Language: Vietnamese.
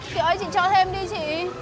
chị ơi chị cho thêm đi chị